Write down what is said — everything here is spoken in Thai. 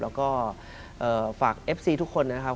แล้วก็ฝากเอฟซีทุกคนนะครับ